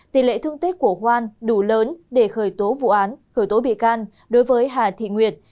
tỷ lệ thương tích của hoan đủ lớn để khởi tố vụ án khởi tố bị can đối với hà thị nguyệt